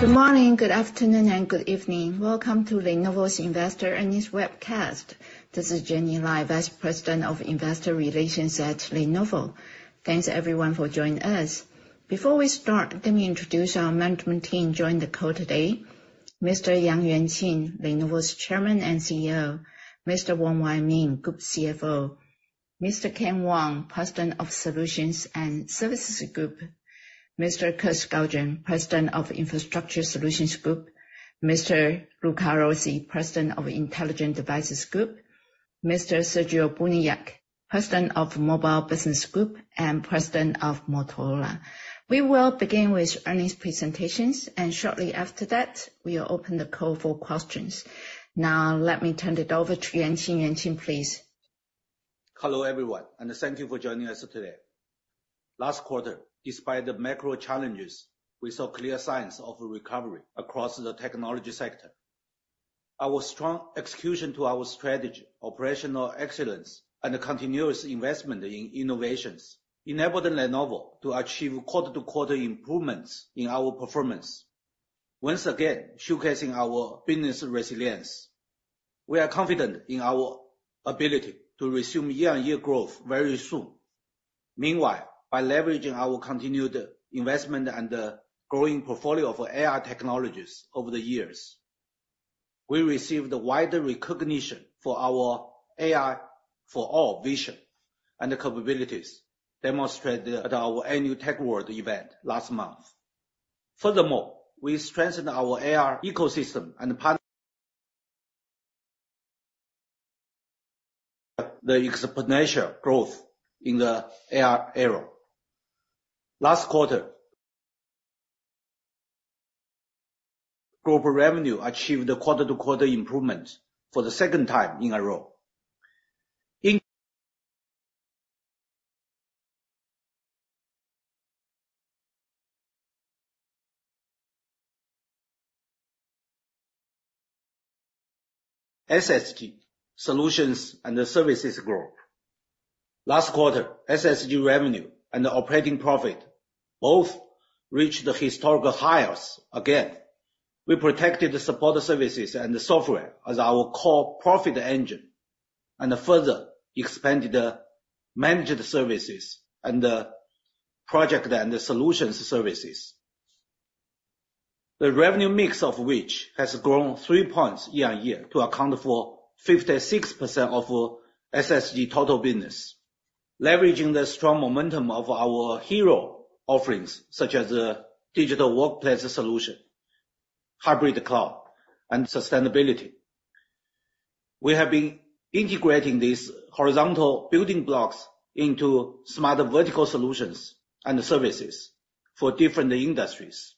Good morning, good afternoon, and good evening. Welcome to Lenovo's Investor Earnings Webcast. This is Jenny Lai, Vice President of Investor Relations at Lenovo. Thanks, everyone, for joining us. Before we start, let me introduce our management team joining the call today. Mr. Yang Yuanqing, Lenovo's Chairman and CEO; Mr. Wong Wai Ming, Group CFO; Mr. Ken Wong, President of Solutions and Services Group; Mr. Kirk Skaugen, President of Infrastructure Solutions Group; Mr. Luca Rossi, President of Intelligent Devices Group; Mr. Sergio Buniac, President of Mobile Business Group and President of Motorola. We will begin with earnings presentations, and shortly after that, we will open the call for questions. Now, let me turn it over to Yuanqing. Yuanqing, please. Hello, everyone, and thank you for joining us today. Last quarter, despite the macro challenges, we saw clear signs of a recovery across the technology sector. Our strong execution to our strategy, operational excellence, and continuous investment in innovations enabled Lenovo to achieve quarter-to-quarter improvements in our performance, once again, showcasing our business resilience. We are confident in our ability to resume year-on-year growth very soon. Meanwhile, by leveraging our continued investment and growing portfolio for AI technologies over the years, we received a wider recognition for our AI for All vision and the capabilities demonstrated at our annual Tech World event last month. Furthermore, we strengthened our AI ecosystem and partner. The exponential growth in the AI era. Last quarter, global revenue achieved a quarter-to-quarter improvement for the second time in a row. In SSG, Solutions and the Services Group. Last quarter, SSG revenue and operating profit both reached historical highs again. We protected the support services and the software as our core profit engine, and further expanded the managed services and project and the solutions services. The revenue mix of which has grown three points year-on-year to account for 56% of SSG total business, leveraging the strong momentum of our hero offerings, such as digital workplace solution, hybrid cloud, and sustainability. We have been integrating these horizontal building blocks into smarter vertical solutions and services for different industries,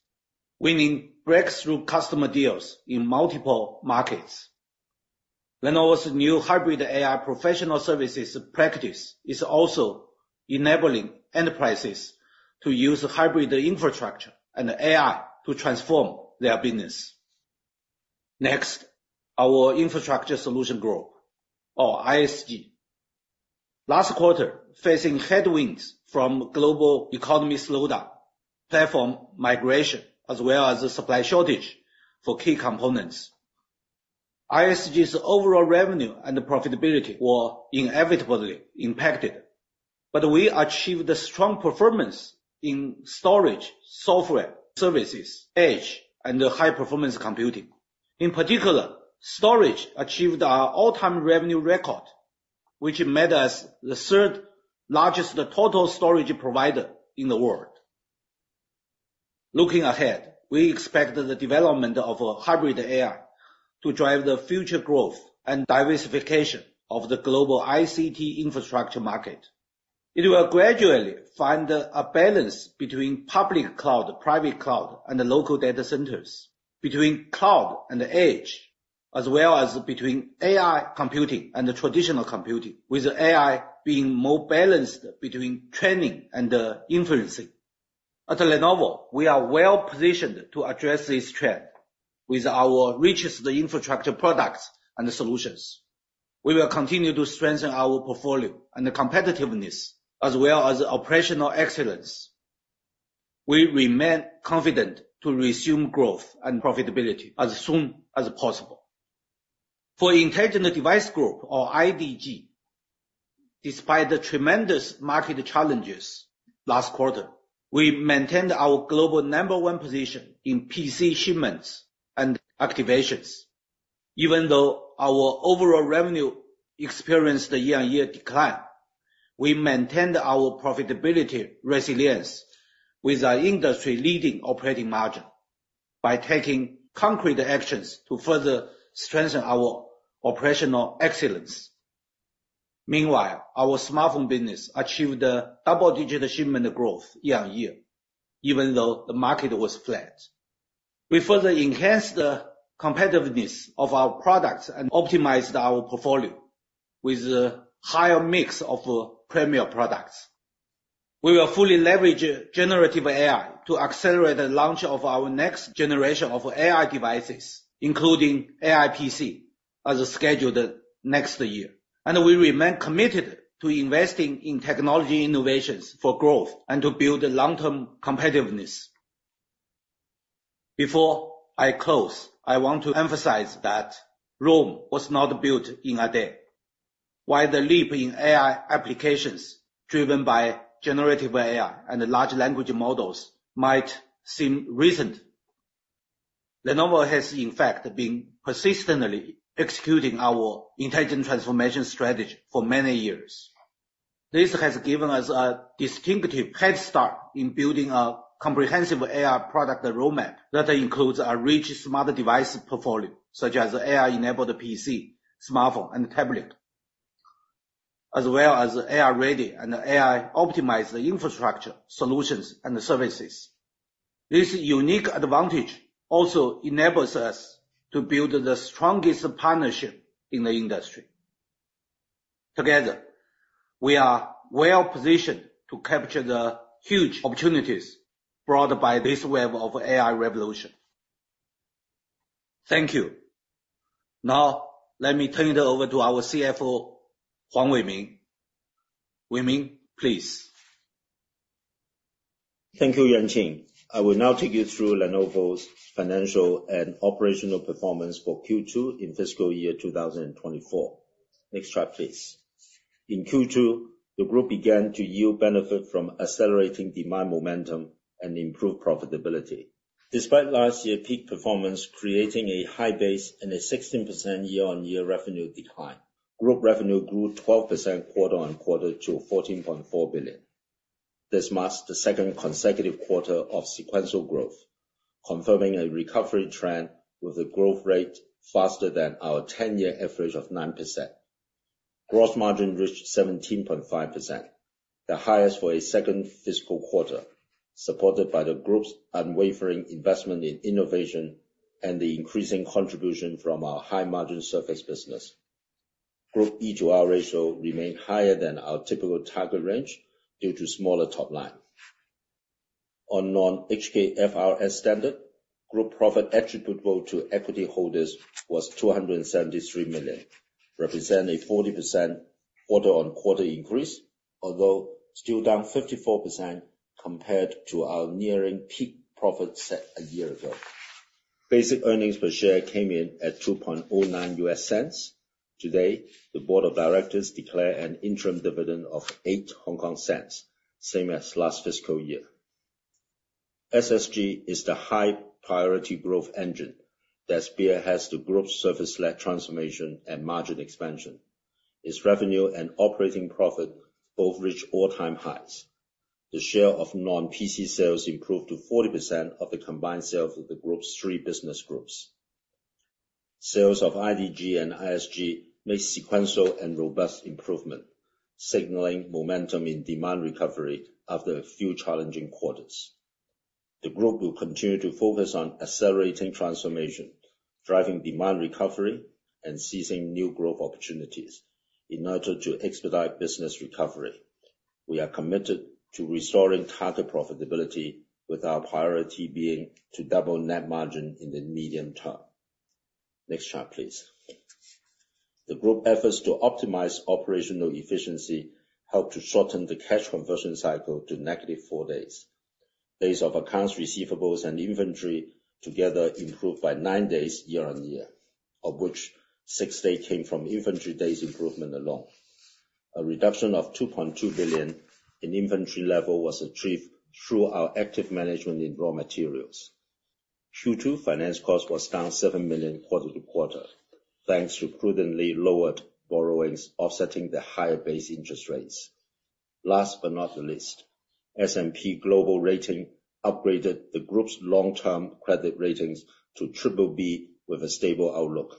winning breakthrough customer deals in multiple markets. Lenovo's new Hybrid AI professional services practice is also enabling enterprises to use hybrid infrastructure and AI to transform their business. Next, our Infrastructure Solutions Group or ISG. Last quarter, facing headwinds from global economy slowdown, platform migration, as well as a supply shortage for key components, ISG's overall revenue and profitability were inevitably impacted. But we achieved a strong performance in storage, software, services, edge, and the high-performance computing. In particular, storage achieved our all-time revenue record, which made us the third largest total storage provider in the world. Looking ahead, we expect the development of a hybrid AI to drive the future growth and diversification of the global ICT infrastructure market. It will gradually find a balance between public cloud, private cloud, and the local data centers, between cloud and edge, as well as between AI computing and the traditional computing, with AI being more balanced between training and inferencing. At Lenovo, we are well-positioned to address this trend with our richest infrastructure products and solutions. We will continue to strengthen our portfolio and the competitiveness, as well as operational excellence. We remain confident to resume growth and profitability as soon as possible. For Intelligent Devices Group or IDG, despite the tremendous market challenges last quarter, we maintained our global number one position in PC shipments and activations. Even though our overall revenue experienced a year-on-year decline, we maintained our profitability resilience with our industry-leading operating margin by taking concrete actions to further strengthen our operational excellence. Meanwhile, our smartphone business achieved a double-digit shipment growth year-on-year, even though the market was flat. We further enhanced the competitiveness of our products and optimized our portfolio with a higher mix of premier products. We will fully leverage generative AI to accelerate the launch of our next generation of AI devices, including AI PC, as scheduled next year. We remain committed to investing in technology innovations for growth and to build long-term competitiveness. Before I close, I want to emphasize that Rome was not built in a day. While the leap in AI applications, driven by generative AI and large language models, might seem recent, Lenovo has, in fact, been persistently executing our intelligent transformation strategy for many years. This has given us a distinctive head start in building a comprehensive AI product roadmap that includes a rich smart device portfolio, such as AI-enabled PC, smartphone, and tablet, as well as AI-ready and AI-optimized infrastructure, solutions, and services. This unique advantage also enables us to build the strongest partnership in the industry. Together, we are well-positioned to capture the huge opportunities brought by this wave of AI revolution. Thank you. Now, let me turn it over to our CFO, Wong Wai Ming. Wai Ming, please. Thank you, Yuanqing. I will now take you through Lenovo's financial and operational performance for Q2 in fiscal year 2024. Next slide, please. In Q2, the group began to yield benefit from accelerating demand momentum and improved profitability. Despite last year's peak performance, creating a high base and a 16% year-on-year revenue decline, group revenue grew 12% quarter-on-quarter to $14.4 billion. This marks the second consecutive quarter of sequential growth, confirming a recovery trend with a growth rate faster than our 10-year average of 9%. Gross margin reached 17.5%, the highest for a second fiscal quarter, supported by the group's unwavering investment in innovation and the increasing contribution from our high-margin services business. Group E to R ratio remained higher than our typical target range due to smaller top line. On non-HKFRS standard, group profit attributable to equity holders was $273 million, representing a 40% quarter-on-quarter increase, although still down 54% compared to our nearing peak profit set a year ago. Basic earnings per share came in at $0.0209. Today, the board of directors declared an interim dividend of 0.08, same as last fiscal year. SSG is the high-priority growth engine that spearheads the group's services-led transformation and margin expansion. Its revenue and operating profit both reached all-time highs. The share of non-PC sales improved to 40% of the combined sales of the group's three business groups. Sales of IDG and ISG made sequential and robust improvement, signaling momentum in demand recovery after a few challenging quarters. The Group will continue to focus on accelerating transformation, driving demand recovery, and seizing new growth opportunities in order to expedite business recovery. We are committed to restoring target profitability, with our priority being to double net margin in the medium term. Next slide, please. The Group's efforts to optimize operational efficiency helped to shorten the cash conversion cycle to negative four days. Days of accounts receivables and inventory together improved by nine days year-on-year, of which six days came from inventory days improvement alone. A reduction of $2.2 billion in inventory level was achieved through our active management in raw materials. Q2 finance cost was down $7 million quarter-to-quarter, thanks to prudently lowered borrowings, offsetting the higher base interest rates. Last but not the least, S&P Global Ratings upgraded the group's long-term credit ratings to BBB with a stable outlook,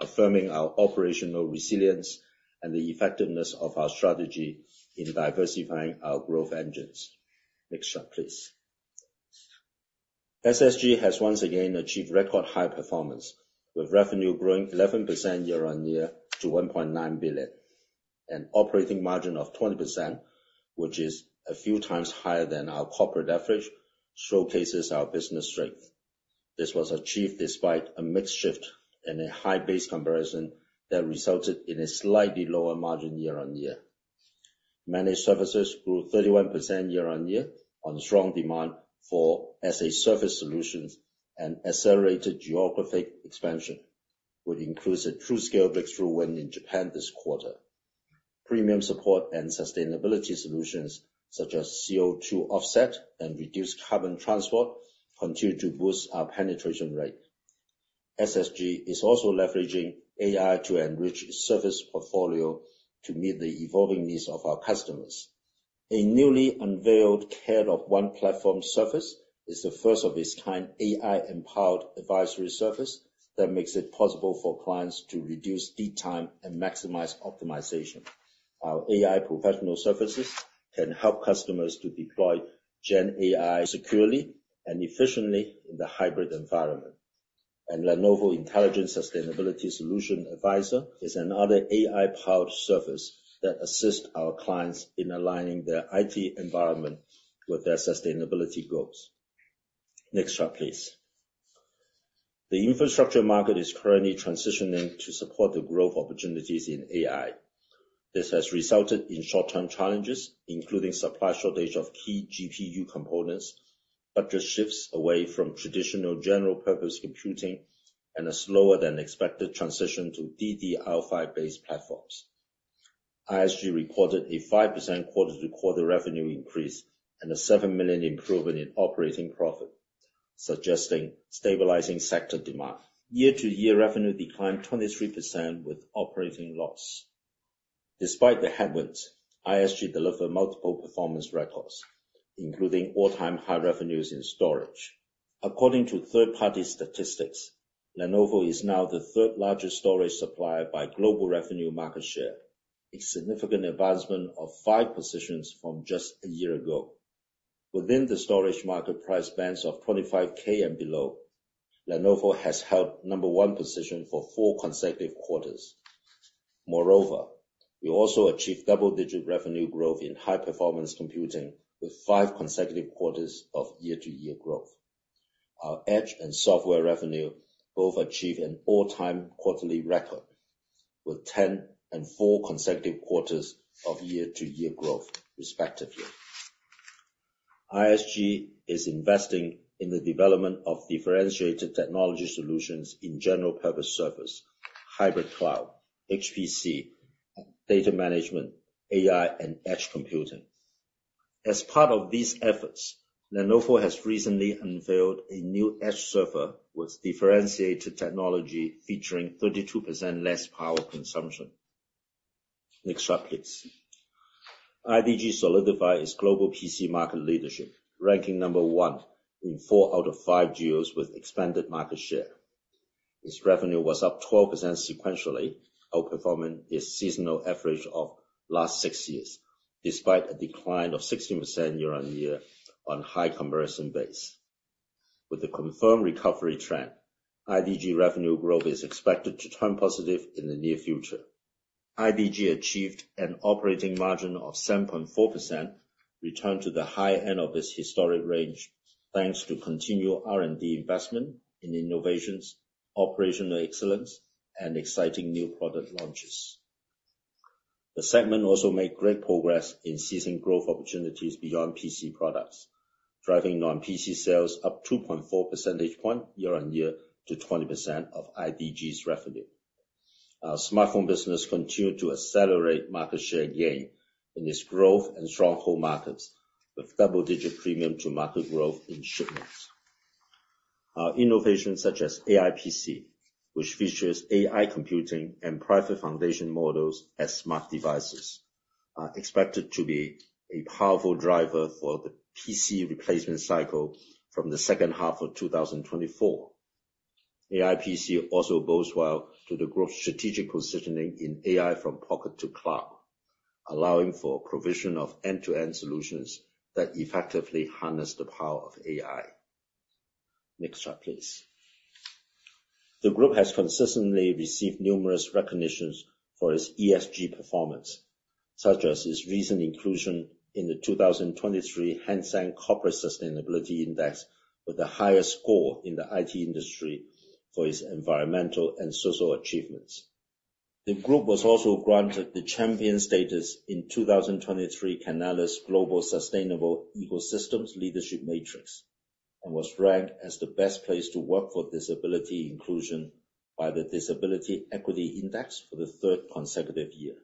affirming our operational resilience and the effectiveness of our strategy in diversifying our growth engines. Next slide, please. SSG has once again achieved record high performance, with revenue growing 11% year-over-year to $1.9 billion. An operating margin of 20%, which is a few times higher than our corporate average, showcases our business strength. This was achieved despite a mixed shift and a high base comparison that resulted in a slightly lower margin year-over-year. Managed services grew 31% year-over-year on strong demand for as-a-service solutions and accelerated geographic expansion, which includes a TruScale breakthrough win in Japan this quarter. Premium support and sustainability solutions, such as CO2 offset and reduced carbon transport, continue to boost our penetration rate. SSG is also leveraging AI to enrich service portfolio to meet the evolving needs of our customers. A newly unveiled Care of One platform service is the first of its kind AI-empowered advisory service that makes it possible for clients to reduce lead time and maximize optimization. Our AI professional services can help customers to deploy Gen AI securely and efficiently in the hybrid environment. Lenovo Intelligent Sustainability Solution Advisor is another AI-powered service that assists our clients in aligning their IT environment with their sustainability goals. Next slide, please. The infrastructure market is currently transitioning to support the growth opportunities in AI. This has resulted in short-term challenges, including supply shortage of key GPU components, but just shifts away from traditional general purpose computing and a slower than expected transition to DDR5-based platforms. ISG recorded a 5% quarter-to-quarter revenue increase and a $7 million improvement in operating profit, suggesting stabilizing sector demand. Year-to-year revenue declined 23% with operating loss. Despite the headwinds, ISG delivered multiple performance records, including all-time high revenues in storage. According to third-party statistics, Lenovo is now the third-largest storage supplier by global revenue market share, a significant advancement of 5 positions from just a year ago. Within the storage market price bands of 25K and below, Lenovo has held number one position for 4 consecutive quarters. Moreover, we also achieved double-digit revenue growth in high-performance computing, with five consecutive quarters of year-to-year growth. Our edge and software revenue both achieved an all-time quarterly record, with 10 and four consecutive quarters of year-to-year growth, respectively. ISG is investing in the development of differentiated technology solutions in general purpose servers, hybrid cloud, HPC, data management, AI, and edge computing. As part of these efforts, Lenovo has recently unveiled a new edge server with differentiated technology, featuring 32% less power consumption. Next slide, please. IDG solidify its global PC market leadership, ranking number one in four out of five geos with expanded market share. Its revenue was up 12% sequentially, outperforming its seasonal average of last six years, despite a decline of 16% year-on-year on high conversion base. With a confirmed recovery trend, IDG revenue growth is expected to turn positive in the near future. IDG achieved an operating margin of 7.4%, returning to the high end of its historic range, thanks to continued R&D investment in innovations, operational excellence, and exciting new product launches. The segment also made great progress in seizing growth opportunities beyond PC products, driving non-PC sales up 2.4% year-on-year to 20% of IDG's revenue. Our smartphone business continued to accelerate market share gain in its growth and stronghold markets, with double-digit premium to market growth in shipments. Our innovations, such as AI PC, which features AI computing and private foundation models on smart devices, are expected to be a powerful driver for the PC replacement cycle from the second half of 2024. AI PC also bodes well to the group's strategic positioning in AI from pocket to cloud, allowing for provision of end-to-end solutions that effectively harness the power of AI. Next slide, please. The group has consistently received numerous recognitions for its ESG performance, such as its recent inclusion in the 2023 Hang Seng Corporate Sustainability Index, with the highest score in the IT industry for its environmental and social achievements. The group was also granted the champion status in 2023 Canalys Global Sustainable Ecosystems Leadership Matrix, and was ranked as the best place to work for disability inclusion by the Disability Equity Index for the third consecutive year.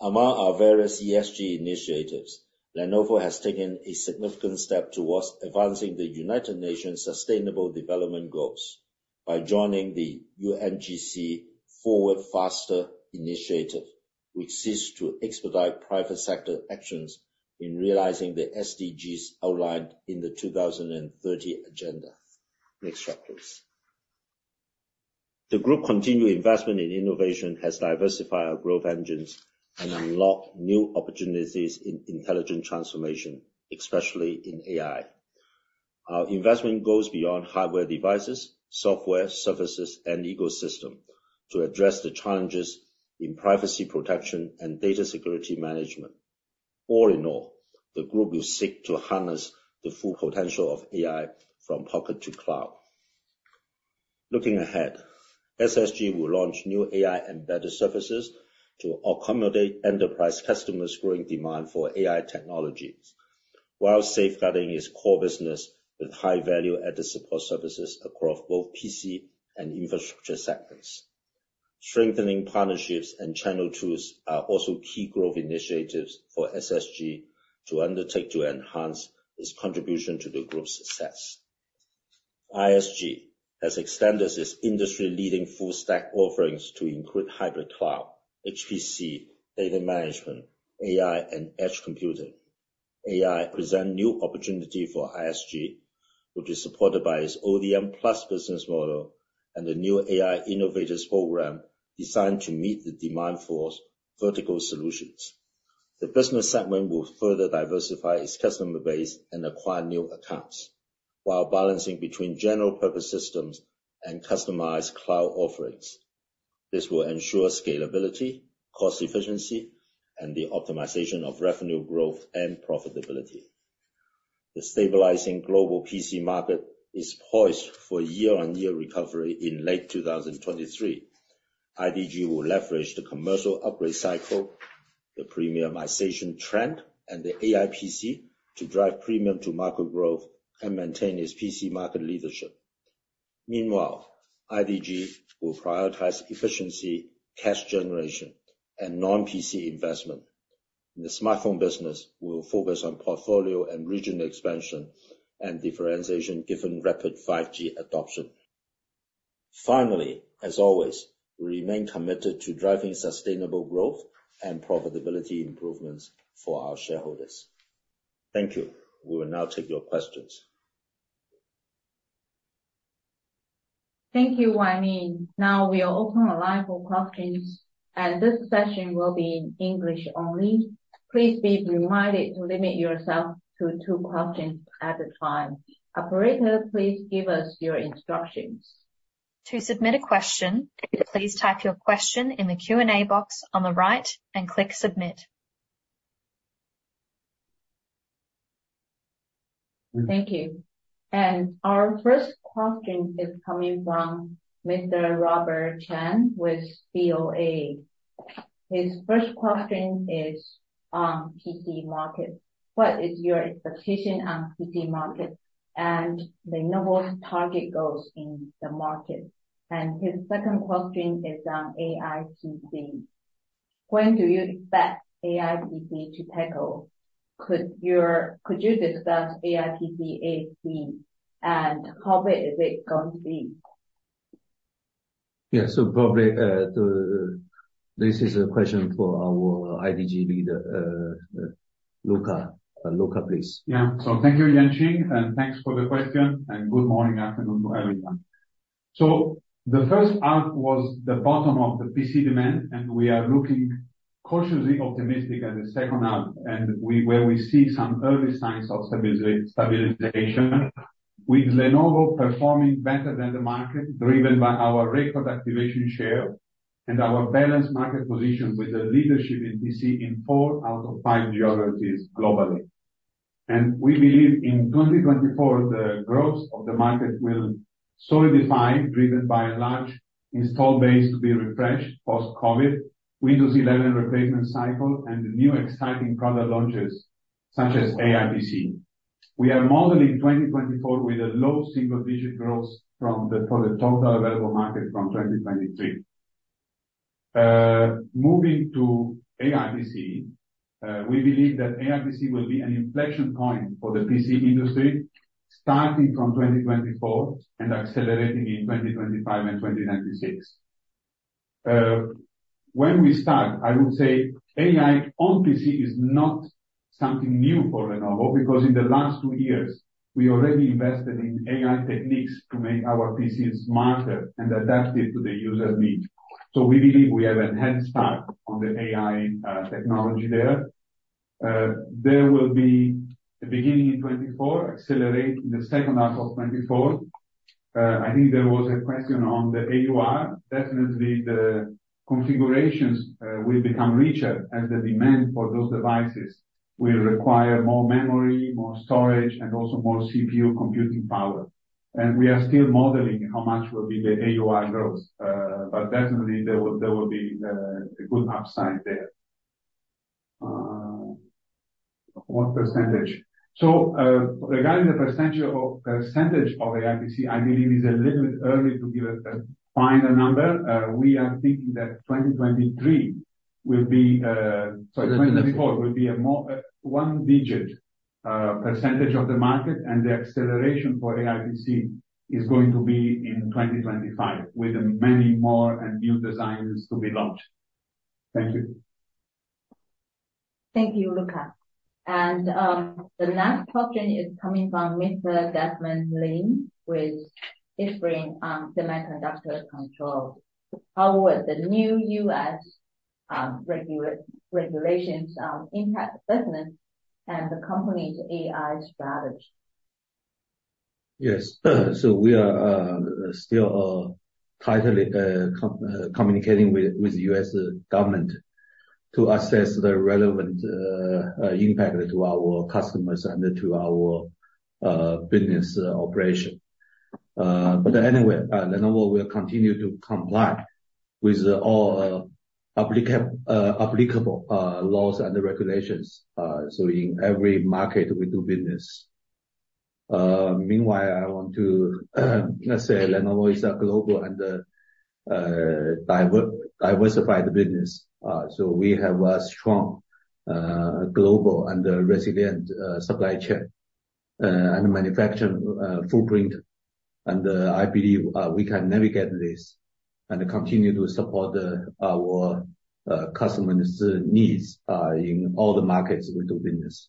Among our various ESG initiatives, Lenovo has taken a significant step towards advancing the United Nations Sustainable Development Goals by joining the UNGC Forward Faster initiative, which seeks to expedite private sector actions in realizing the SDGs outlined in the 2030 agenda. Next slide, please. The group continued investment in innovation has diversified our growth engines and unlocked new opportunities in intelligent transformation, especially in AI. Our investment goes beyond hardware devices, software, services, and ecosystem to address the challenges in privacy protection and data security management. All in all, the group will seek to harness the full potential of AI from pocket to cloud. Looking ahead, SSG will launch new AI and better services to accommodate enterprise customers' growing demand for AI technologies, while safeguarding its core business with high-value added support services across both PC and infrastructure sectors. Strengthening partnerships and channel tools are also key growth initiatives for SSG to undertake to enhance its contribution to the group's success. ISG has extended its industry-leading full stack offerings to include hybrid cloud, HPC, data management, AI, and edge computing. AI presents new opportunity for ISG, which is supported by its ODM Plus business model and the new AI innovators program, designed to meet the demand for vertical solutions. The business segment will further diversify its customer base and acquire new accounts, while balancing between general purpose systems and customized cloud offerings. This will ensure scalability, cost efficiency, and the optimization of revenue growth and profitability. The stabilizing global PC market is poised for year-on-year recovery in late 2023. IDG will leverage the commercial upgrade cycle, the premiumization trend, and the AI PC to drive premium to market growth and maintain its PC market leadership. Meanwhile, IDG will prioritize efficiency, cash generation, and non-PC investment. In the smartphone business, we'll focus on portfolio and regional expansion and differentiation, given rapid 5G adoption. Finally, as always, we remain committed to driving sustainable growth and profitability improvements for our shareholders. Thank you. We will now take your questions. Thank you, Wai Ming. Now we'll open the line for questions, and this session will be in English only. Please be reminded to limit yourself to two questions at a time. Operator, please give us your instructions. To submit a question, please type your question in the Q&A box on the right and click Submit. Thank you. Our first question is coming from Mr. Robert Chan with BOA. His first question is on PC market. What is your expectation on PC market and Lenovo's target goals in the market? And his second question is on AI PC. When do you expect AI PC to take off? Could you discuss AI PC ASP and how big is it going to be? Yeah, so probably, the... This is a question for our IDG leader, Luca. Luca, please. Yeah. So thank you, Yuanqing, and thanks for the question, and good morning, afternoon to everyone. So the first half was the bottom of the PC demand, and we are looking cautiously optimistic at the second half, and we, where we see some early signs of stabilization, with Lenovo performing better than the market, driven by our record activation share and our balanced market position with the leadership in PC in four out of five geographies globally. And we believe in 2024, the growth of the market will solidify, driven by a large install base to be refreshed post-COVID, Windows 11 replacement cycle, and the new exciting product launches such as AI PC. We are modeling 2024 with a low single-digit growth for the total available market from 2023. Moving to AI PC, we believe that AI PC will be an inflection point for the PC industry, starting from 2024 and accelerating in 2025 and 2026. When we start, I would say AI on PC is not something new for Lenovo, because in the last two years, we already invested in AI techniques to make our PC smarter and adaptive to the user needs. So we believe we have a head start on the AI technology there. There will be the beginning in 2024, accelerate in the second half of 2024. I think there was a question on the AUR. Definitely, the configurations will become richer, and the demand for those devices will require more memory, more storage, and also more CPU computing power. We are still modeling how much will be the AUR growth, but definitely, there will, there will be a good upside there. What percentage? So, regarding the percentage of, percentage of AI PC, I believe it's a little bit early to give a final number. We are thinking that 2023 will be, sorry, 2024 will be a one-digit percentage of the market, and the acceleration for AI PC is going to be in 2025, with many more and new designs to be launched. Thank you. Thank you, Luca. The next question is coming from Mr. Desmond Ling with Spring Semiconductor Control. How will the new U.S. regulations impact the business and the company's AI strategy? Yes. So we are still tightly communicating with the US government to assess the relevant impact to our customers and to our business operation. But anyway, Lenovo will continue to comply with all applicable laws and regulations, so in every market we do business. Meanwhile, I want to, let's say Lenovo is a global and diversified business. So we have a strong global and resilient supply chain and manufacturing footprint. And I believe we can navigate this and continue to support our customers' needs in all the markets we do business.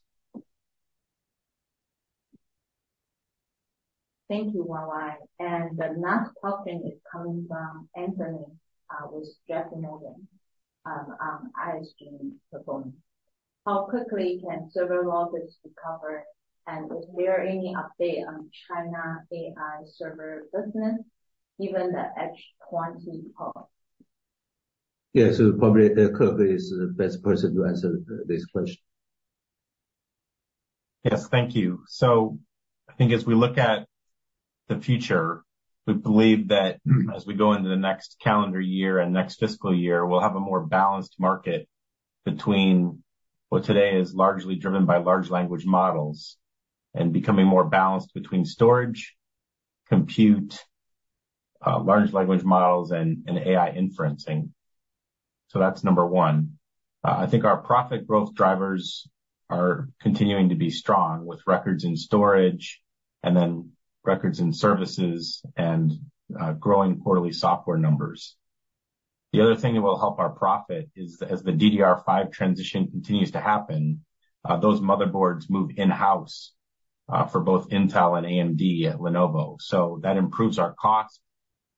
Thank you, Wanlin. The next question is coming from Anthony with J.P. Morgan on ISG performance. How quickly can server markets recover? And is there any update on China AI server business, given the H100 quantity call? Yeah. So probably, Kirk is the best person to answer this question. Yes, thank you. So I think as we look at the future, we believe that as we go into the next calendar year and next fiscal year, we'll have a more balanced market between what today is largely driven by large language models, and becoming more balanced between storage, compute, large language models, and AI inferencing. So that's number one. I think our profit growth drivers are continuing to be strong, with records in storage and then records in services and growing quarterly software numbers. The other thing that will help our profit is as the DDR5 transition continues to happen, those motherboards move in-house for both Intel and AMD at Lenovo. So that improves our costs,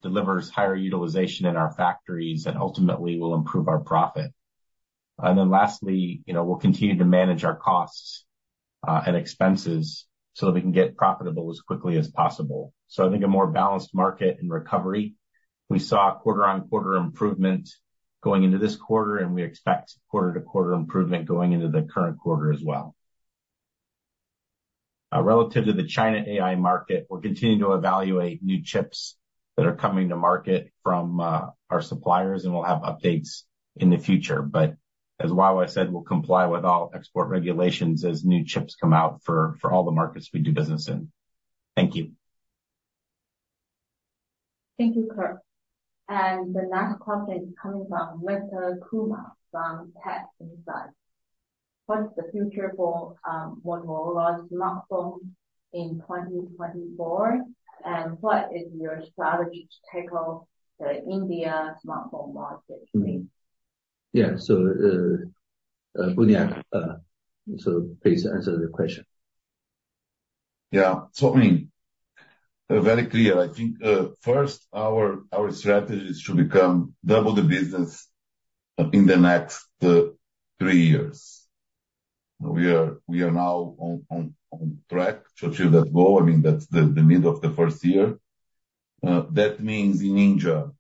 delivers higher utilization in our factories, and ultimately will improve our profit. Then lastly, you know, we'll continue to manage our costs and expenses so that we can get profitable as quickly as possible. I think a more balanced market and recovery. We saw quarter-on-quarter improvement going into this quarter, and we expect quarter-to-quarter improvement going into the current quarter as well. Relative to the China AI market, we're continuing to evaluate new chips that are coming to market from our suppliers, and we'll have updates in the future. But as Wong said, we'll comply with all export regulations as new chips come out for all the markets we do business in. Thank you. Thank you, Kirk. The next question is coming from Veda Kumar from Tech Insights. What's the future for Motorola's smartphone in 2024? And what is your strategy to tackle the India smartphone market? Yeah. So, Buniac, so please answer the question. Yeah. So I mean, very clear. I think, first, our strategy is to become double the business in the next three years. We are now on track to achieve that goal. I mean, that's the middle of the first year. That means in India,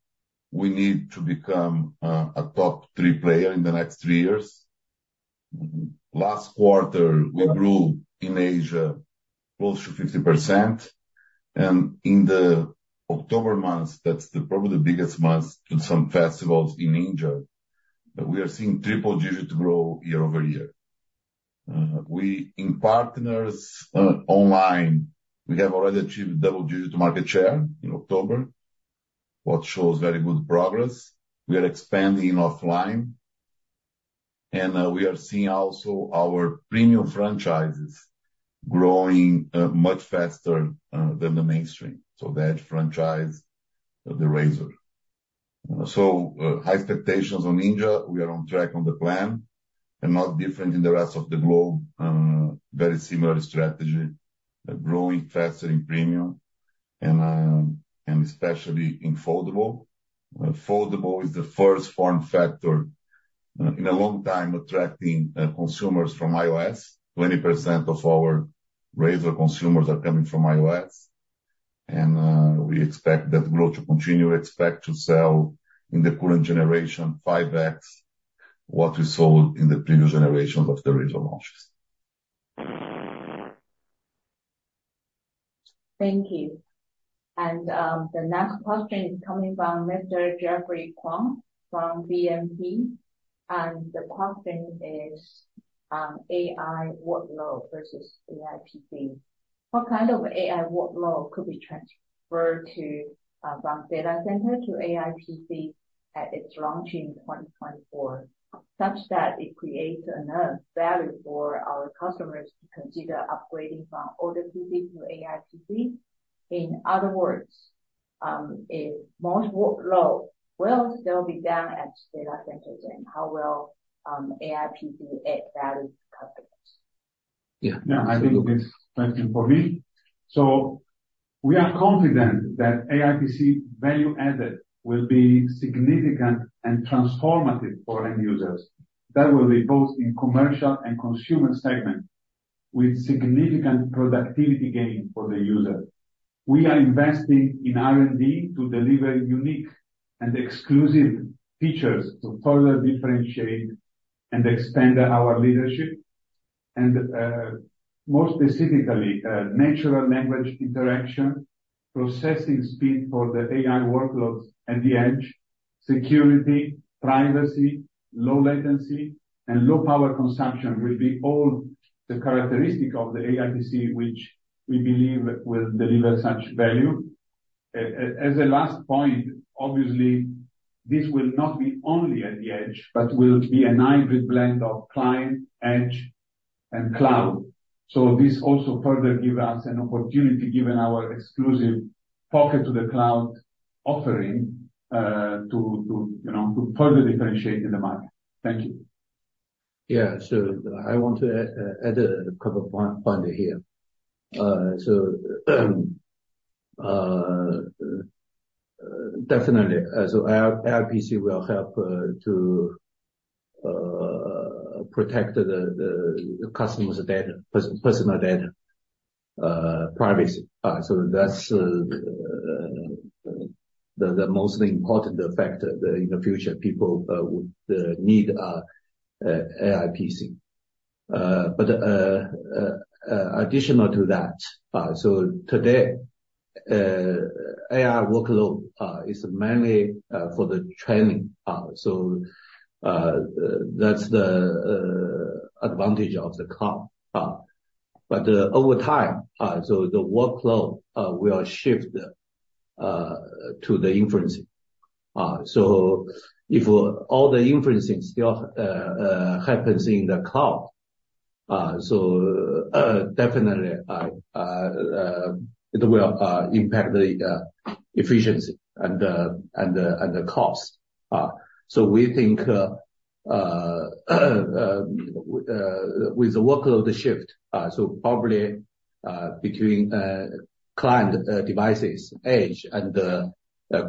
we need to become a top-three player in the next three years. Last quarter, we grew in Asia close to 50%, and in the October months, that's probably the biggest month in some festivals in India, we are seeing triple-digit growth year-over-year. We in partners online, we have already achieved double-digit market share in October, which shows very good progress. We are expanding offline, and we are seeing also our premium franchises growing much faster than the mainstream. So the Edge franchise, the Razr. So, high expectations on India. We are on track on the plan, and not different in the rest of the globe. Very similar strategy, growing faster in premium and, and especially in foldable. Foldable is the first form factor, in a long time, attracting, consumers from iOS. 20% of our Razr consumers are coming from iOS, and, we expect that growth to continue. Expect to sell in the current generation, 5X, what we sold in the previous generations of the original launches. Thank you. The next question is coming from Mr. Jeffrey Kwan from BNP. The question is, AI workload versus AIPC. What kind of AI workload could be transferred to, from data center to AIPC at its launch in 2024, such that it creates enough value for our customers to consider upgrading from older PC to AIPC? In other words, if most workload will still be done at data centers, and how will AIPC add value to customers? Yeah. Yeah, I think this question for me. So we are confident that AIPC value added will be significant and transformative for end users. That will be both in commercial and consumer segment, with significant productivity gain for the user. We are investing in R&D to deliver unique and exclusive features to further differentiate and expand our leadership, and more specifically, natural language interaction, processing speed for the AI workloads at the edge, security, privacy, low latency, and low power consumption will be all the characteristic of the AIPC, which we believe will deliver such value. As a last point, obviously, this will not be only at the edge, but will be a hybrid blend of client, edge, and cloud. So this also further give us an opportunity, given our exclusive access to the cloud offering, to you know, to further differentiate in the market. Thank you. Yeah. So I want to add a couple points here. So, definitely, as AI, AI PC will help to protect the customer's data, personal data, privacy. So that's the most important factor that in the future, people would need AI PC. But, additional to that, so today, AI workload is mainly for the training. So, that's the advantage of the cloud, but, over time, so the workload will shift to the inferencing. So if all the inferencing still happens in the cloud, so, definitely, it will impact the efficiency and the cost. So we think, with the workload shift, so probably, between client devices, Edge and the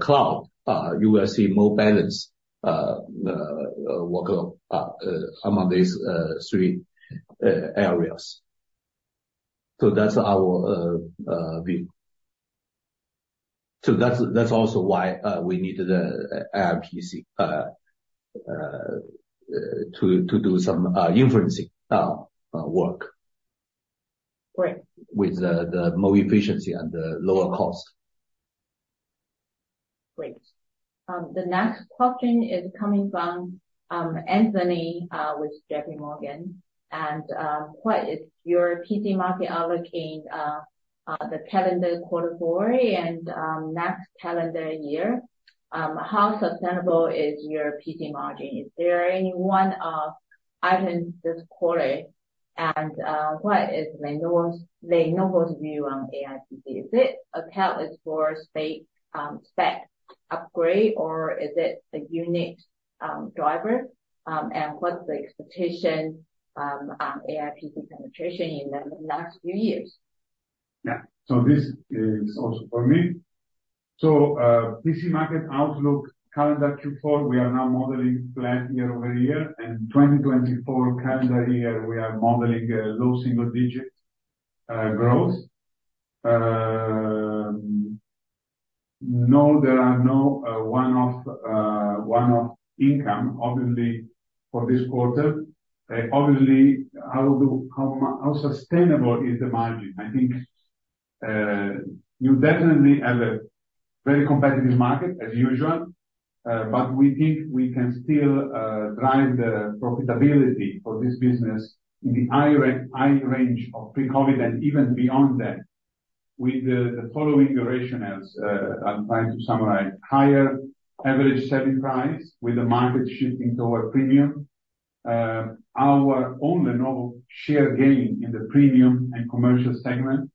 cloud, you will see more balanced workload among these three areas. So that's our view. So that's also why we needed a AI PC to do some inferencing work. Great. With the more efficiency and the lower cost. Great. The next question is coming from Anthony with JPMorgan. What is your PC market outlook in the calendar quarter four and next calendar year? How sustainable is your PC margin? Is there any one-off items this quarter? And what is Lenovo's view on AI PC? Is it accounted for spec upgrade, or is it a unique driver? And what's the expectation on AI PC penetration in the next few years? Yeah. So this is also for me. PC market outlook, calendar Q4, we are now modeling flat year-over-year, and 2024 calendar year, we are modeling low single-digit growth. There are no one-off income, obviously, for this quarter. How sustainable is the margin? I think you definitely have a very competitive market as usual, but we think we can still drive the profitability for this business in the high range of pre-COVID and even beyond that, with the following rationales. I'm trying to summarize. Higher average selling price with the market shifting toward premium. Our ongoing share gain in the premium and commercial segment.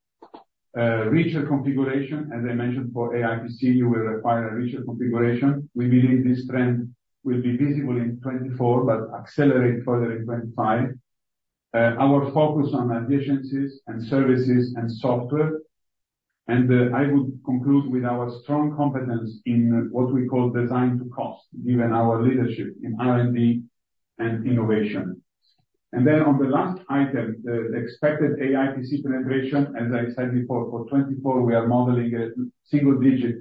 Richer configuration, as I mentioned, for AI PC, you will require a richer configuration. We believe this trend will be visible in 2024, but accelerate further in 2025. Our focus on efficiencies and services and software, and I would conclude with our strong competence in what we call design to cost, given our leadership in R&D and innovation. And then on the last item, the expected AI PC penetration, as I said before, for 2024, we are modeling a single digit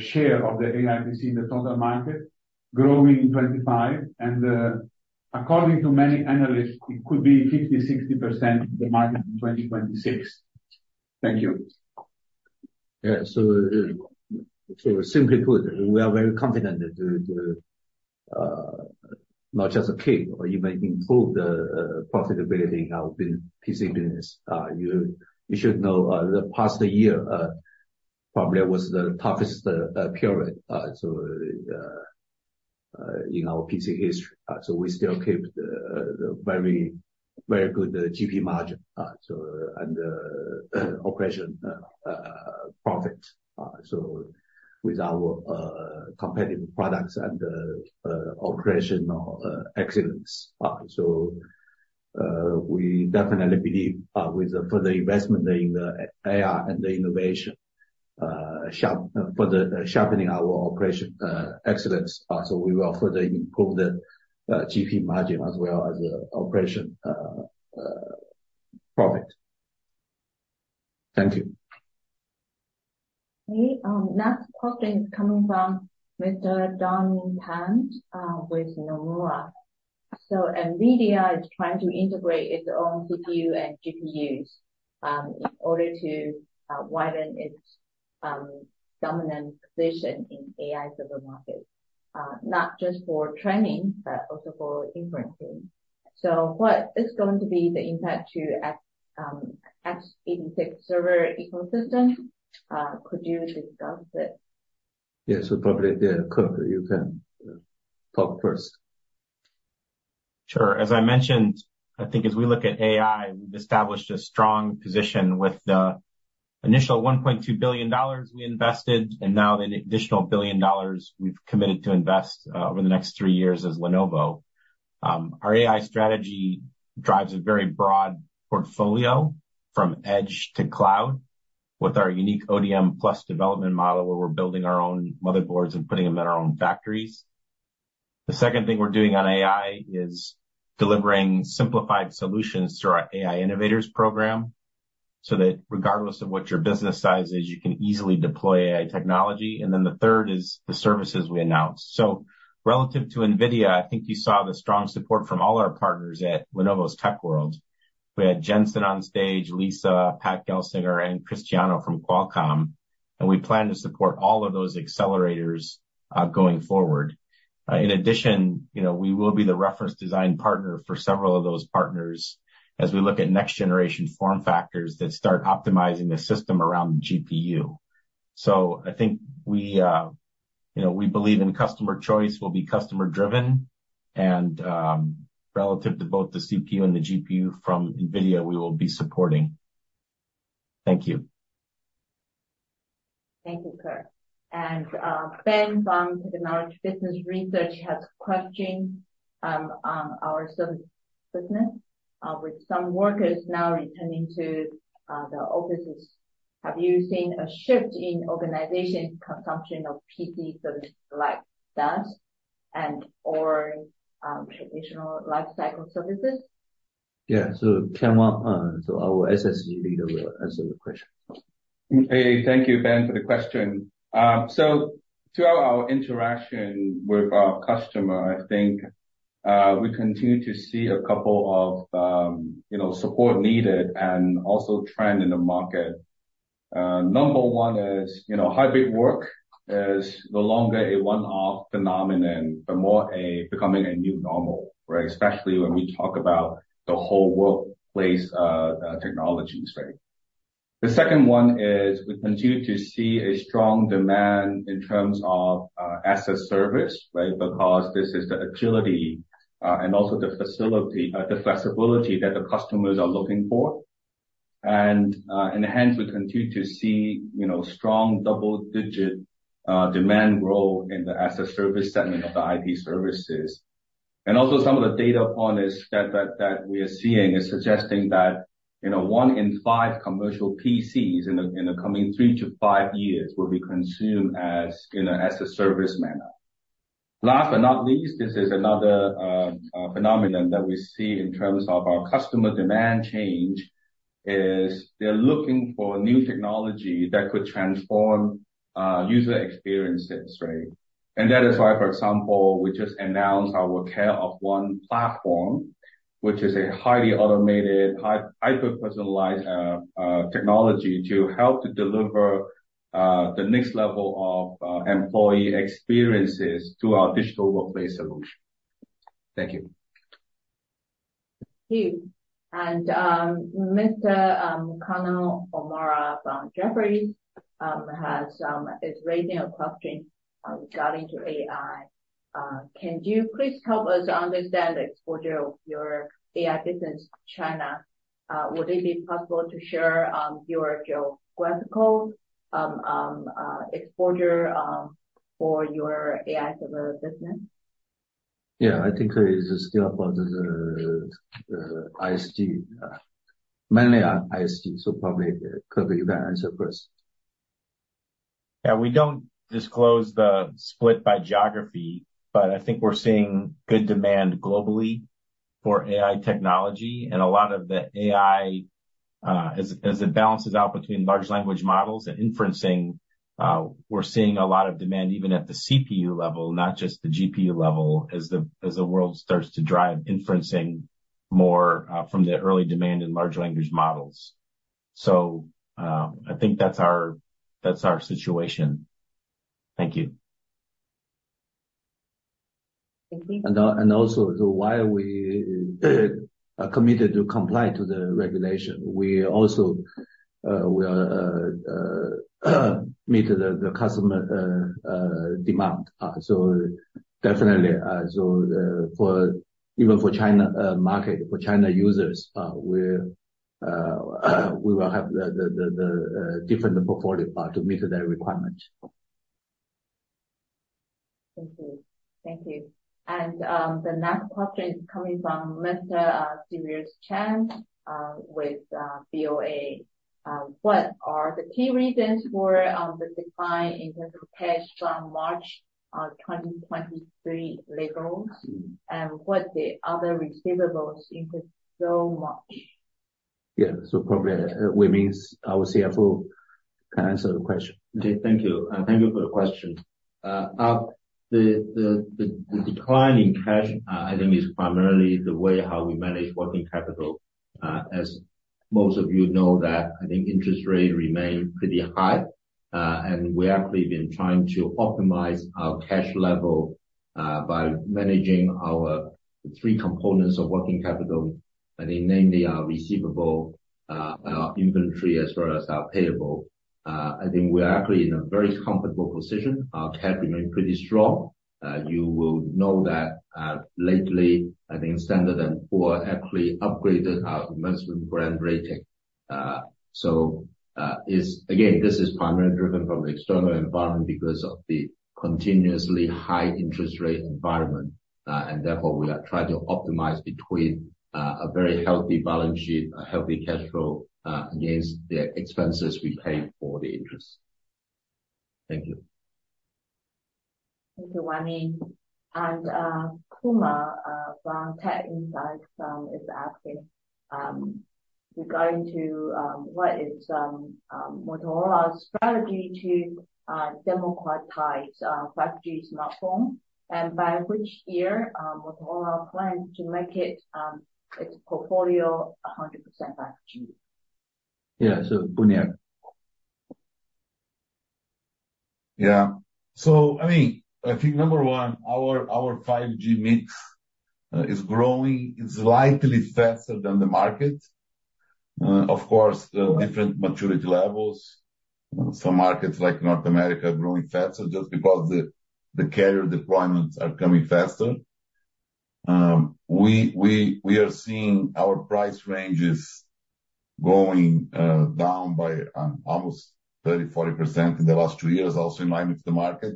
share of the AI PC in the total market, growing 2025. And according to many analysts, it could be 50-60% of the market in 2026. Thank you. Yeah. So simply put, we are very confident to not just keep or even improve the profitability in our PC business. You should know, the past year probably was the toughest period in our PC history. So we still kept the very, very good GP margin, so and operation profit. So with our competitive products and operational excellence. So we definitely believe with further investment in the AI and the innovation, further sharpening our operation excellence, so we will further improve the GP margin as well as the operation profit. Thank you. Okay, next question is coming from Mr. Don Pan, with Nomura. So NVIDIA is trying to integrate its own CPU and GPUs, in order to, widen its, dominant position in AI server market, not just for training, but also for inferencing. So what is going to the impact to x86 server ecosystem? Could you discuss it? Yes. So probably, yeah, Kirk, you can talk first. Sure. As I mentioned, I think as we look at AI, we've established a strong position with the initial $1.2 billion we invested, and now an additional $1 billion we've committed to invest over the next three years as Lenovo. Our AI strategy drives a very broad portfolio from edge to cloud, with our unique ODM Plus development model, where we're building our own motherboards and putting them in our own factories. The second thing we're doing on AI is delivering simplified solutions through our AI Innovators program, so that regardless of what your business size is, you can easily deploy AI technology. And then the third is the services we announce. So relative to NVIDIA, I think you saw the strong support from all our partners at Lenovo's Tech World. We had Jensen on stage, Lisa, Pat Gelsinger, and Cristiano from Qualcomm, and we plan to support all of those accelerators going forward. In addition, you know, we will be the reference design partner for several of those partners as we look at next generation form factors that start optimizing the system around the GPU. So I think we, you know, we believe in customer choice, we'll be customer driven, and relative to both the CPU and the GPU from NVIDIA, we will be supporting. Thank you. Thank you, Kirk. And, Ben from Technology Business Research has a question on our service business. With some workers now returning to the offices, have you seen a shift in organization consumption of PC services like DaaS and or traditional lifecycle services? Yeah, so Ken Wong, our SSE leader, will answer the question. Hey, thank you, Ben, for the question. So throughout our interaction with our customer, I think, we continue to see a couple of, you know, support needed and also trend in the market. Number one is, you know, hybrid work is no longer a one-off phenomenon, but more a becoming a new normal, right? Especially when we talk about the whole workplace, technologies, right. The second one is we continue to see a strong demand in terms of, as a service, right? Because this is the agility, and also the facility, the flexibility that the customers are looking for. And, and hence we continue to see, you know, strong double-digit, demand growth in the as a service segment of the IP services. Also some of the data that we are seeing is suggesting that, you know, one in five commercial PCs in the coming three to five years will be consumed as in a service manner. Last but not least, this is another phenomenon that we see in terms of our customer demand change: they're looking for new technology that could transform user experiences, right? And that is why, for example, we just announced our Care of One platform, which is a highly automated, hyper-personalized technology to help deliver the next level of employee experiences to our digital workplace solution. Thank you. Thank you. Mr. Conor O'Mara from Jefferies is raising a question regarding to AI. Can you please help us understand the exposure of your AI business to China? Would it be possible to share your geographical exposure for your AI server business? Yeah, I think it is still about the ISG. Mainly on ISG, so probably Kirk, you can answer first. Yeah, we don't disclose the split by geography, but I think we're seeing good demand globally for AI technology. And a lot of the AI, as it balances out between large language models and inferencing, we're seeing a lot of demand, even at the CPU level, not just the GPU level, as the world starts to drive inferencing more, from the early demand in large language models. So, I think that's our, that's our situation. Thank you. Thank you. Also, while we are committed to comply to the regulation, we also will meet the customer demand. So definitely, even for China market, for China users, we will have the different portfolio to meet their requirements. Thank you. Thank you. And, the next question is coming from Linda Stevens Chan with BOA. What are the key reasons for the decline in terms of cash from March of 2023 levels, and what the other receivables increased so much? Yeah. So probably, Wai Ming, our CFO, can answer the question. Okay. Thank you. Thank you for the question. The decline in cash, I think, is primarily the way how we manage working capital. As most of you know that, I think interest rates remain pretty high, and we actually been trying to optimize our cash level, by managing our three components of working capital. I think namely our receivable, inventory, as well as our payable. I think we are actually in a very comfortable position. Our cash remains pretty strong. You will know that, lately, I think Standard and Poor's actually upgraded our investment brand rating. So, again, this is primarily driven from the external environment because of the continuously high interest rate environment. And therefore, we are trying to optimize between a very healthy balance sheet, a healthy cash flow, against the expenses we pay for the interest. Thank you. Thank you, Wani. Kumar from Tech Insights is asking regarding to what is Motorola's strategy to democratize 5G smartphone, and by which year Motorola plans to make it its portfolio 100% 5G? Yeah, sergio Buniac. Yeah. So, I mean, I think number one, our 5G mix is growing. It's slightly faster than the market. Of course, different maturity levels. Some markets like North America are growing faster just because the carrier deployments are coming faster. We are seeing our price ranges going down by almost 30-40% in the last two years, also in line with the market.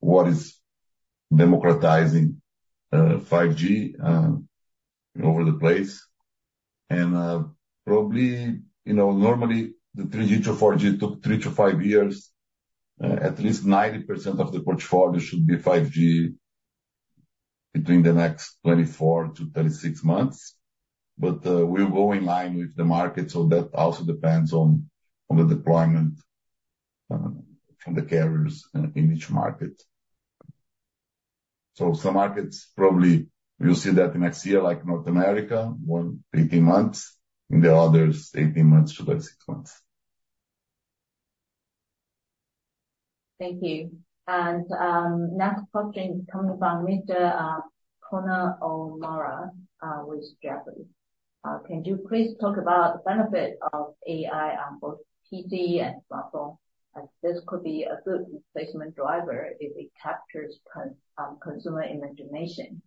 What is democratizing 5G over the place. And probably, you know, normally the 3G to 4G took three to five years. At least 90% of the portfolio should be 5G between the next 24-36 months. But we'll go in line with the market, so that also depends on the deployment from the carriers in each market. Some markets, probably you'll see that next year, like North America, more 18 months, and the others, 18-36 months. Thank you. And, next question coming from Mr. Conor O'Mara, with Jefferies. "Can you please talk about the benefit of AI on both PC and smartphone? This could be a good replacement driver if it captures con, consumer imagination.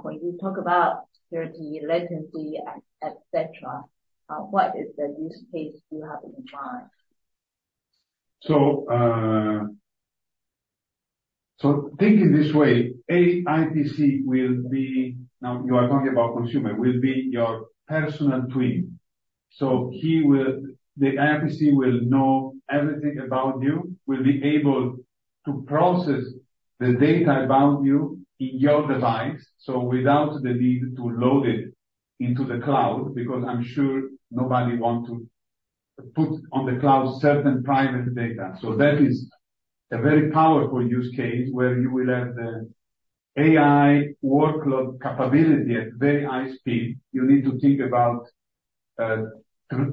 When you talk about low latency, et cetera, what is the use case you have in mind? So, so think it this way, AIPC will be... Now, you are talking about consumer, will be your personal twin. So he will, the AIPC will know everything about you, will be able to process the data about you in your device, so without the need to load it into the cloud, because I'm sure nobody want to put on the cloud certain private data. So that is a very powerful use case where you will have the AI workload capability at very high speed. You need to think about,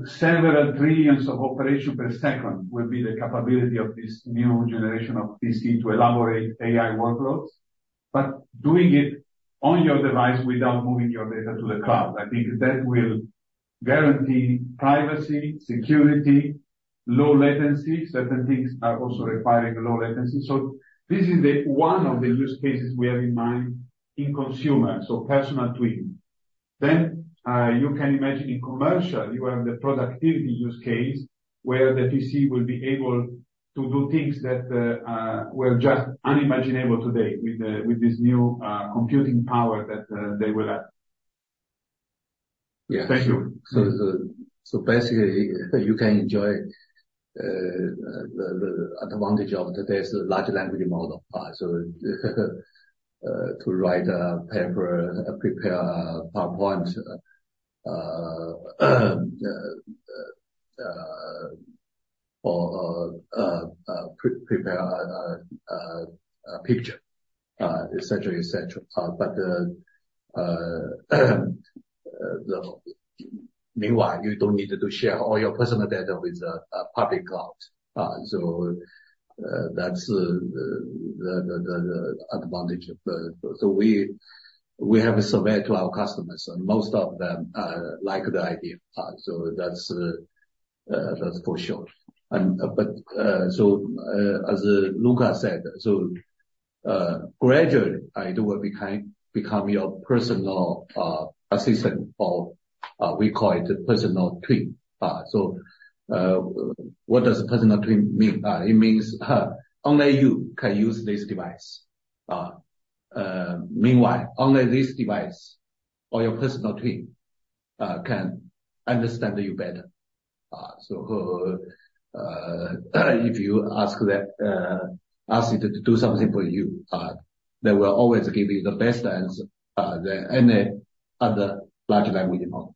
several trillions of operation per second, will be the capability of this new generation of PC to elaborate AI workloads, but doing it on your device without moving your data to the cloud. I think that will guarantee privacy, security, low latency. Certain things are also requiring low latency. This is one of the use cases we have in mind in consumer, so personal twin. You can imagine in commercial, you have the productivity use case, where the PC will be able to do things that were just unimaginable today with this new computing power that they will have. Yeah. Thank you. So basically, you can enjoy the advantage of today's large language model. So to write a paper, prepare a PowerPoint, or prepare a picture, et cetera, et cetera. Meanwhile, you don't need to share all your personal data with the public cloud. So that's the advantage of the... So we have a survey to our customers, and most of them like the idea. So that's for sure. But as Luca said, gradually, it will become your personal assistant, or we call it personal twin. So what does personal twin mean? It means only you can use this device. Meanwhile, only this device or your personal twin can understand you better. So, if you ask that, ask it to do something for you, they will always give you the best answer than any other large language model.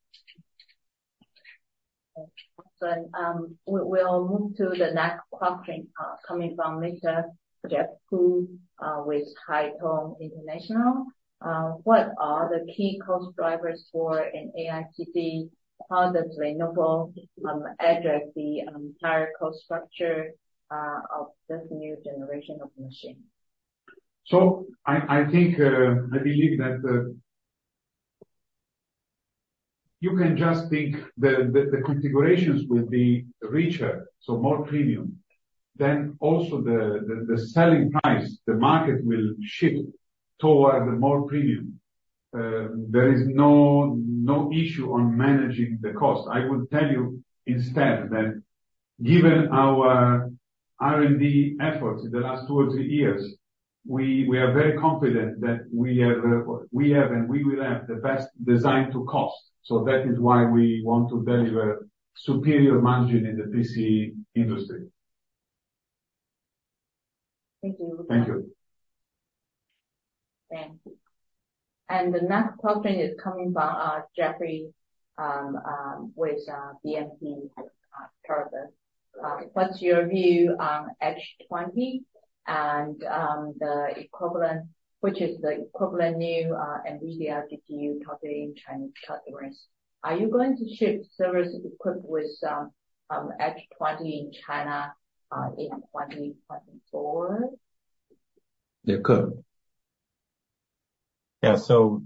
Okay. We'll move to the next question, coming from Mr. Jeff Pu with Haitong International. What are the key cost drivers for an AI PC? How does Lenovo address the entire cost structure of this new generation of machine? So I think I believe that you can just think the configurations will be richer, so more premium. Then also the selling price, the market will shift toward the more premium. There is no issue on managing the cost. I will tell you instead, that given our R&D efforts in the last two or three years, we are very confident that we have and we will have the best design to cost. So that is why we want to deliver superior margin in the PC industry. Thank you. Thank you. Thank you. The next question is coming from Jeffrey Kwan with BNP Paribas. What's your view on H20 and the equivalent, which is the new NVIDIA GPU targeted at Chinese customers? Are you going to ship servers equipped with H20 in China in 2024? They could. Yeah. So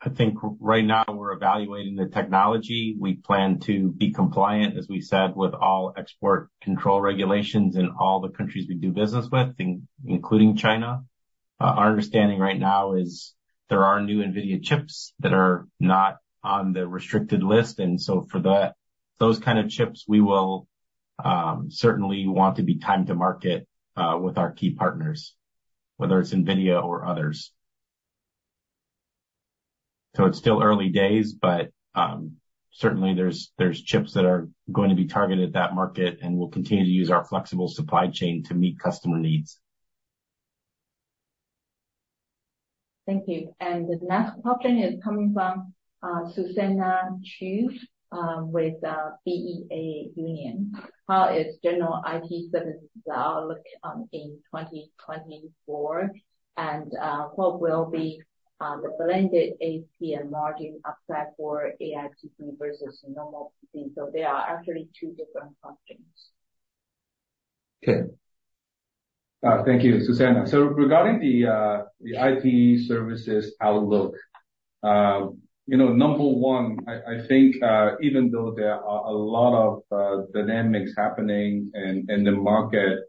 I think right now we're evaluating the technology. We plan to be compliant, as we said, with all export control regulations in all the countries we do business with, including China. Our understanding right now is there are new NVIDIA chips that are not on the restricted list, and so for that, those kind of chips, we will certainly want to be time to market with our key partners, whether it's NVIDIA or others. So it's still early days, but certainly there's chips that are going to be targeted at that market, and we'll continue to use our flexible supply chain to meet customer needs. Thank you. The next question is coming from Susanna Chu with BEA Union. How is general IT services outlook in 2024? What will be the blended ASP margin upside for AI PC versus normal PC? There are actually two different questions. Okay. Thank you, Susanna. So regarding the IT services outlook, you know, number one, I think even though there are a lot of dynamics happening in the market,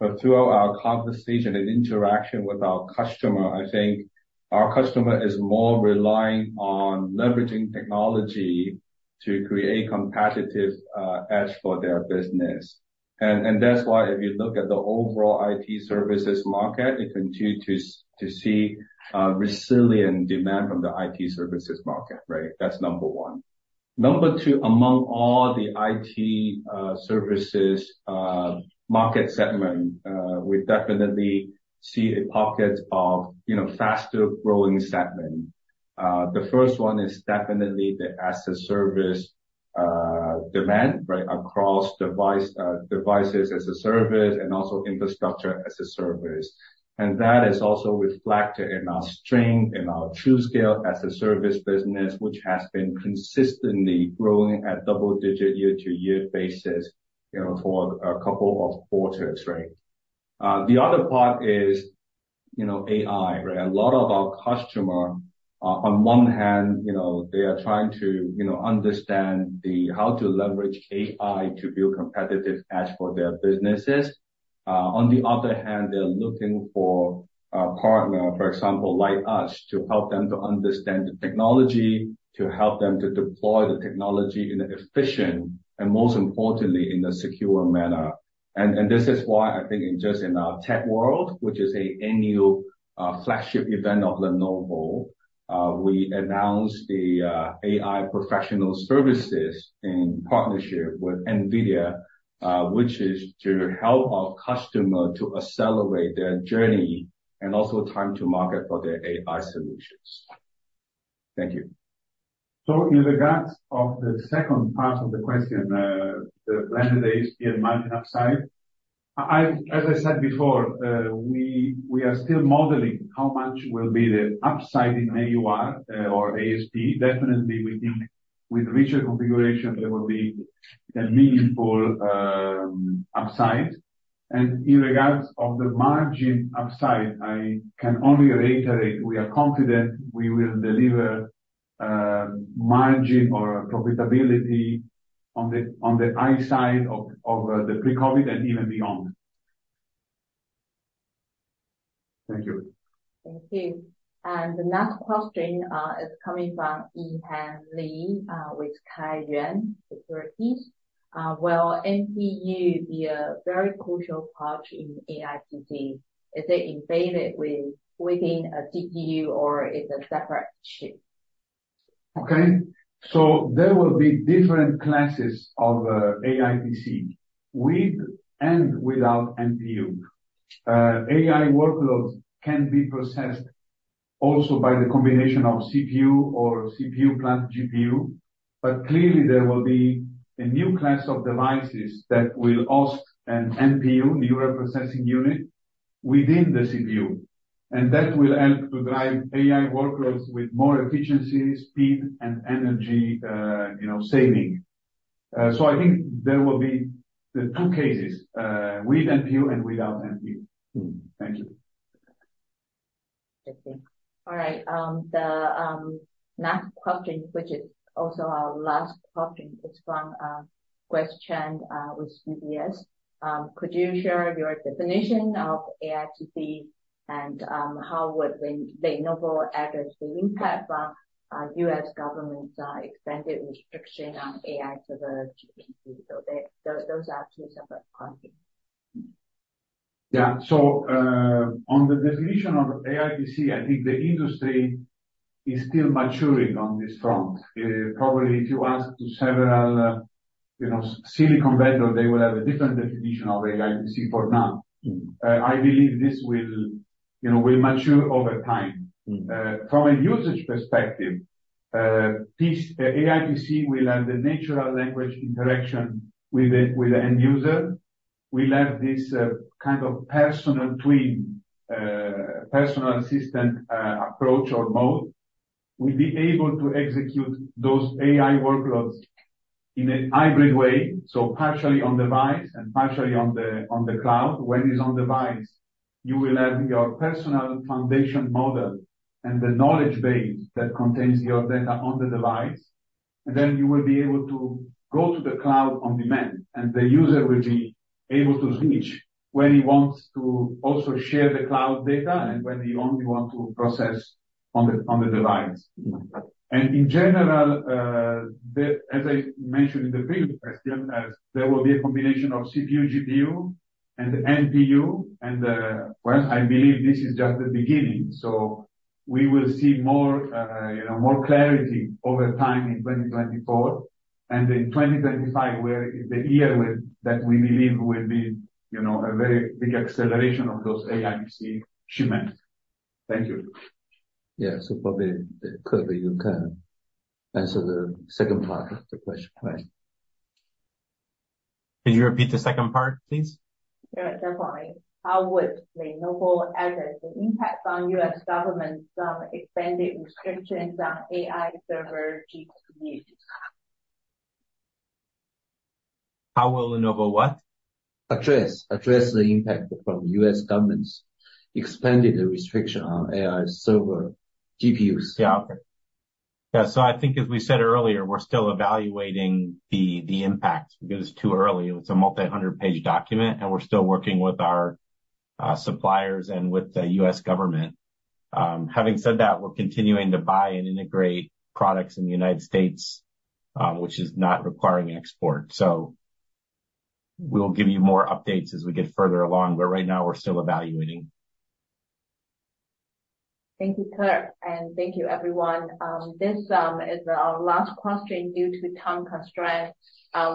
but through our conversation and interaction with our customer, I think our customer is more relying on leveraging technology to create competitive edge for their business. And that's why if you look at the overall IT services market, you continue to see resilient demand from the IT services market, right? That's number one. Number two, among all the IT services market segment, we definitely see a pocket of, you know, faster growing segment. The first one is definitely the as a service demand, right? Across devices as a service and also infrastructure as a service. That is also reflected in our strength in our TruScale as-a-service business, which has been consistently growing at double-digit year-over-year basis, you know, for a couple of quarters, right? The other part is, you know, AI, right? A lot of our customer, uh, on one hand, you know, they are trying to, you know, understand the how to leverage AI to build competitive edge for their businesses. On the other hand, they're looking for a partner, for example, like us, to help them to understand the technology, to help them to deploy the technology in an efficient and most importantly, in a secure manner. This is why I think in just our Tech World, which is an annual flagship event of Lenovo, we announced the AI professional services in partnership with NVIDIA, which is to help our customer accelerate their journey and also time to market for their AI solutions. Thank you. So in regards of the second part of the question, the blended ASP and margin upside, I, as I said before, we are still modeling how much will be the upside in AUR or ASP. Definitely, we think with richer configuration, there will be a meaningful upside. In regards of the margin upside, I can only reiterate, we are confident we will deliver margin or profitability on the high side of the pre-COVID and even beyond. Thank you. Thank you. And the next question is coming from Yi Han Lee with Kai Yuan Securities. Will NPU be a very crucial part in AITC? Is it embedded within a GPU or it's a separate chip? Okay. So there will be different classes of AI PC, with and without NPU. AI workloads can be processed also by the combination of CPU or CPU plus GPU, but clearly there will be a new class of devices that will ask an NPU, neural processing unit, within the CPU, and that will help to drive AI workloads with more efficiency, speed, and energy, you know, saving. So I think there will be the two cases, with NPU and without NPU. Thank you.... I think. All right, the next question, which is also our last question, is from Wes Chan with UBS. Could you share your definition of AITC, and how would the Lenovo address the impact from U.S. government's expanded restriction on AI server GPU? So those are two separate questions. Yeah. So, on the definition of AITC, I think the industry is still maturing on this front. Probably if you ask several, you know, silicon vendor, they will have a different definition of AITC for now. I believe this will, you know, will mature over time. Mm. From a usage perspective, this AITC will have the natural language interaction with the end user. We'll have this kind of personal twin, personal assistant approach or mode. We'll be able to execute those AI workloads in a hybrid way, so partially on device and partially on the cloud. When it's on device, you will have your personal foundation model and the knowledge base that contains your data on the device, and then you will be able to go to the cloud on demand, and the user will be able to switch when he wants to also share the cloud data and when he only want to process on the device. Mm. In general, as I mentioned in the previous question, there will be a combination of CPU, GPU, and NPU, and well, I believe this is just the beginning, so we will see more, you know, more clarity over time in 2024. And in 2025, where is the year where that we believe will be, you know, a very big acceleration of those AITC shipments. Thank you. Yeah. So probably, Kirk, you can answer the second part of the question, please. Could you repeat the second part, please? Yeah, sure. How would Lenovo address the impact on the U.S. government's expanded restrictions on AI server GPUs? How will Lenovo what? Address, address the impact from U.S. government's expanded restriction on AI server GPUs. Yeah. Yeah, so I think as we said earlier, we're still evaluating the impact because it's too early. It's a multi-hundred-page document, and we're still working with our suppliers and with the U.S. government. Having said that, we're continuing to buy and integrate products in the United States, which is not requiring export. So we'll give you more updates as we get further along, but right now we're still evaluating. Thank you, Kirk, and thank you, everyone. This is our last question due to time constraints.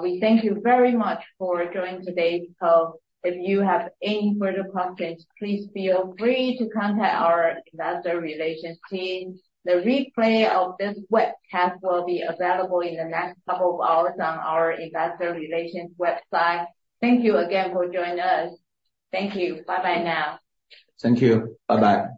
We thank you very much for joining today's call. If you have any further questions, please feel free to contact our investor relations team. The replay of this webcast will be available in the next couple of hours on our investor relations website. Thank you again for joining us. Thank you. Bye-bye now. Thank you. Bye-bye.